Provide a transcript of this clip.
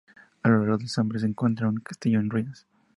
A lo largo del Sambre se encuentra un castillo en ruinas.